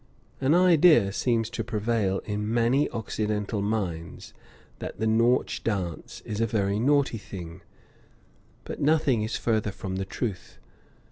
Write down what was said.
An idea seems to prevail in many Occidental minds that the Nautch dance is a very naughty thing; but nothing is further from the truth.